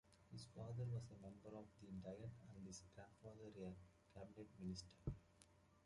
His father was a member of the Diet and his grandfather a cabinet minister.